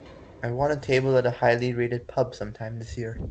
I want a table at a highly rated pub sometime this year